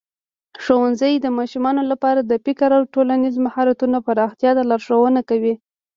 ښوونځی د ماشومانو لپاره د فکري او ټولنیزو مهارتونو پراختیا ته لارښوونه کوي.